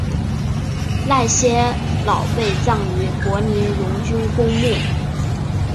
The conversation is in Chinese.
赖歇瑙被葬于柏林荣军公墓。